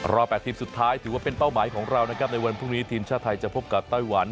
๘ทีมสุดท้ายถือว่าเป็นเป้าหมายของเรานะครับในวันพรุ่งนี้ทีมชาติไทยจะพบกับไต้หวัน